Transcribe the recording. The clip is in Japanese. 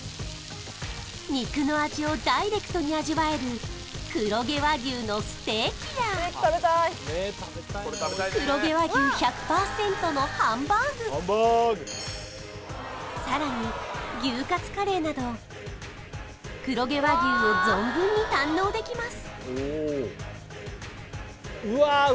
肉の味をダイレクトに味わえる黒毛和牛のステーキや黒毛和牛１００％のハンバーグさらに牛カツカレーなど黒毛和牛を存分に堪能できます